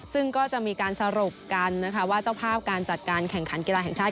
ซึ่งก็จะมีการสรุปกันนะคะว่าเจ้าภาพการจัดการแข่งขันกีฬาแห่งชาติ